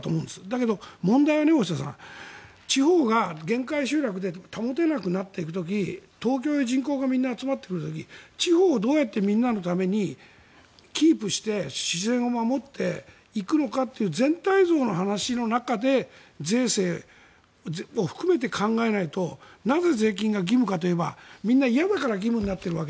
だけど、問題は大下さん地方が限界集落で保てなくなっていく時東京へ人口がみんな集まっていく時地方はどうやってみんなのためにキープして自然を守っていくのかという全体像の話の中で税制も含めて考えないとなぜ、税金が義務化といえばみんな嫌だから義務になっている。